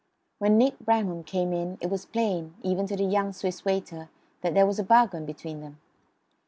When Nick Bramham came in it was plain, even to the young Swiss waiter, that there was a bargain between them.